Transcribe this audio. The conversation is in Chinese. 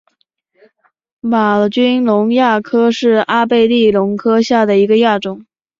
玛君龙亚科是阿贝力龙科下的一个亚科。